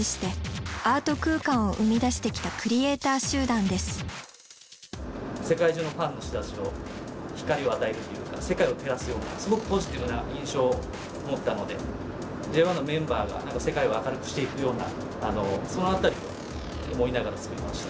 協力したのは世界中のファンの人たちを光を与えるっていうか世界を照らすようなすごくポジティブな印象を持ったのでＪＯ１のメンバーが世界を明るくしていくようなその辺りを思いながら作りました。